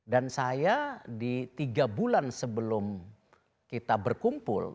dan saya di tiga bulan sebelum kita berkumpul